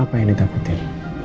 apa yang ditakutin